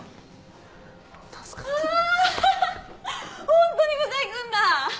ホントに向井君だ！